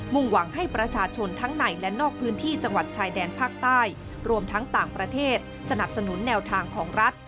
่งหวังให้ประชาชนทั้งในและนอกพื้นที่จังหวัดชายแดนภาคใต้รวมทั้งต่างประเทศสนับสนุนแนวทางของรัฐ